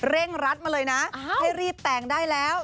เร่งรัดมาเลยนะให้รีบแต่งได้แล้ว